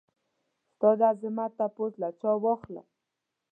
ستا دعظمت تپوس له چا واخلم؟